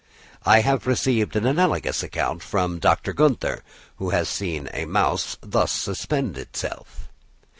I have received an analogous account from Dr. Günther, who has seen a mouse thus suspend itself.